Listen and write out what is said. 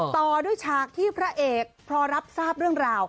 ต่อด้วยฉากที่พระเอกพอรับทราบเรื่องราว